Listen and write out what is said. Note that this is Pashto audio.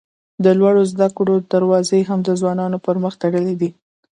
د لوړو زده کړو دروازې هم د ځوانانو پر مخ تړلي دي.